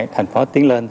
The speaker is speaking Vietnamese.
thành phố tiến lên